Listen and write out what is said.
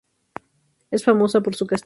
Es famosa por su castillo.